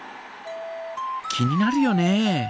気になるよね。